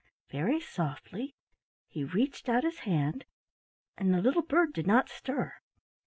Very softly he reached out his hand and the little bird did not stir.